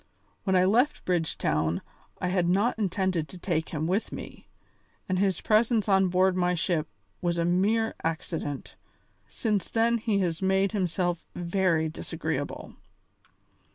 When I left Bridgetown I had not intended to take him with me, and his presence on board my ship was a mere accident. Since then he has made himself very disagreeable."